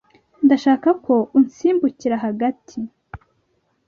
ndashaka ko usimbukira hagati